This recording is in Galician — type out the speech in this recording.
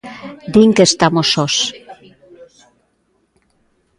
Din que estamos sós.